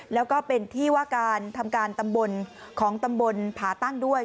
แล้วก็เป็นที่ว่าการทำการตำบลของตำบลผาตั้งด้วย